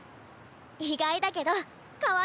意外だけどかわいいです！